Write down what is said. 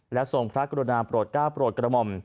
และทรงพระกรุณาโปรดก้าวโปรดกระหม่อม